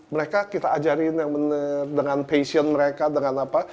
mereka kita ajarin yang benar dengan passion mereka dengan apa